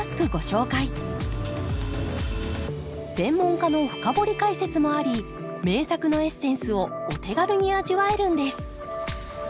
専門家の深掘り解説もあり名作のエッセンスをお手軽に味わえるんです